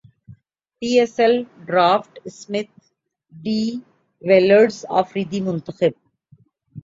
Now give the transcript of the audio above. پی S L draft Smith de Villiers Afridi منتخب